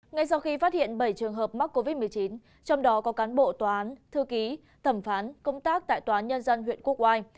ngay sau khi phát hiện bảy trường hợp mắc covid một mươi chín trong đó có cán bộ tòa án thư ký thẩm phán công tác tại tòa nhân dân huyện quốc oai